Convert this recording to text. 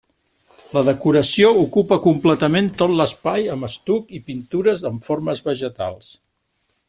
La decoració ocupa completament tot l'espai amb estuc i pintures amb formes vegetals.